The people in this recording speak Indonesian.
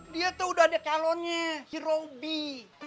dia tuh udah ada calonnya si robby